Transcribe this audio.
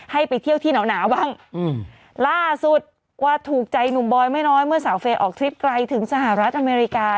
ให้ไปเที่ยวที่หนาวหนาวบ้างล่าสุดว่าถูกใจหนุ่มบอยไม่น้อยเมื่อสาวเฟย์ออกทริปไกลถึงสหรัฐอเมริกา